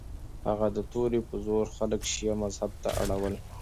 هغه د توري په زور خلک شیعه مذهب ته اړول.